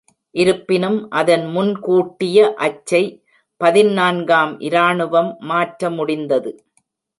இருப்பினும் அதன் முன்கூட்டிய அச்சை பதினான்காம் இராணுவம் மாற்ற முடிந்தது.